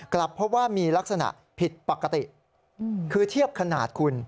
กลับเพราะว่ามีลักษณะผิดปกติคือเทียบขนาดคุณ